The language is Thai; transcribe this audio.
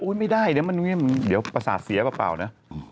อุ๊ยไม่ได้มันเดี๋ยวประสาทเสียเปล่านะ